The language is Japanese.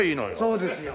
そうですよ。